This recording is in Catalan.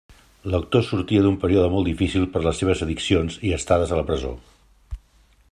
L'actor sortia d'un període molt difícil per les seves addicions i estades a la presó.